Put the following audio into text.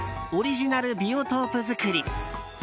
オリジナルビオトープ作り。